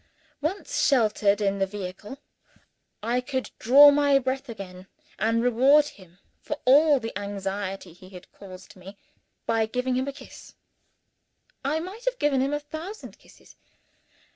Once sheltered in the vehicle, I could draw my breath again, and reward him for all the anxiety he had caused me by giving him a kiss. I might have given him a thousand kisses.